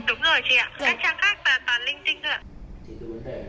đúng rồi chị ạ các trang khác là toàn linh tinh thôi ạ